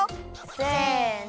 せの。